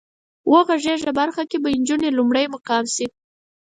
د وغږېږئ برخه کې به انجونې لومړی مقام شي.